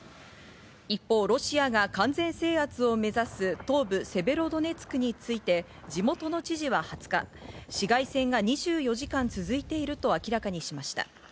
一方、ロシアが完全制圧を目指す、東部セベロドネツクについて、地元の知事は２０日、市街戦が２４時間続いていると明らかにしました。